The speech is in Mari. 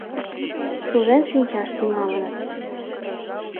Шужен шинчаш тӱҥалыныт.